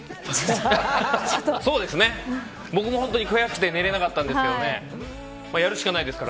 僕も本当に悔しくて寝られなかったんですけどね。